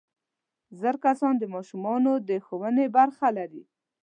زاړه کسان د ماشومانو د ښوونې برخه لري